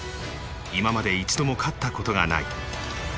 今まで一度も勝ったことがない。